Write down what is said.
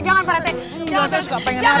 enggak pak rete saya suka pengen